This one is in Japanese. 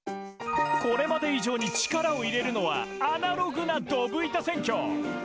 これまで以上に力を入れるのは、アナログなどぶ板選挙。